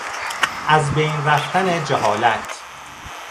از بین رفتن جهالت